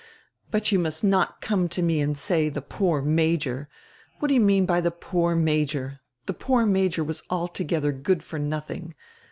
But you must not come to me and say: 'the poor major!' What do you mean by die 'poor major?' The poor major was altogether good for nothing.